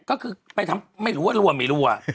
ก็คือไปดูว่าทำให้รั่วไม่รั่ว